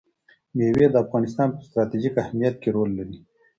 مېوې د افغانستان په ستراتیژیک اهمیت کې رول لري.